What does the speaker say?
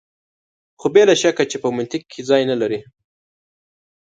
خو بې له شکه چې په منطق کې ځای نه لري.